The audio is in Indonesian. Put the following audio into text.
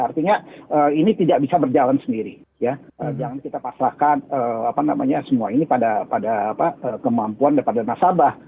artinya ini tidak bisa berjalan sendiri ya jangan kita pasahkan apa namanya semua ini pada kemampuan daripada nasabah